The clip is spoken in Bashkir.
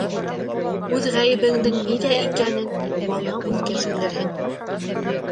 Үҙ ғәйебеңдең ниҙә икәнен, балаң үҫкәс белерһең.